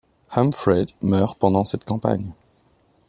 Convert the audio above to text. Humphrey meurt pendant cette campagne.